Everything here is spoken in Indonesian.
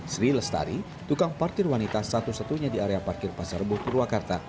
sri lestari tukang partir wanita satu satunya di area parkir pasar rebuh purwakarta